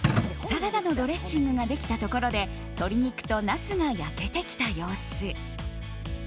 サラダのドレッシングができたところで鶏肉とナスが焼けてきた様子。